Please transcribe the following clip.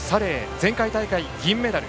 前回大会、銀メダル。